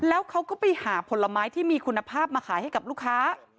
แล้วเขาก็ไปหาผลไม้ที่มีคุณภาพมาขายให้กับลูกค้า